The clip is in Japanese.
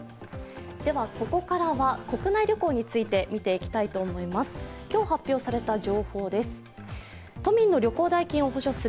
ここからは国内旅行について見ていきたいと思います。